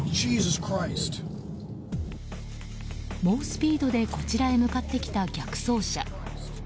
猛スピードでこちらへ向かってきた逆走車。